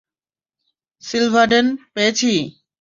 Silvadene, পেয়েছি!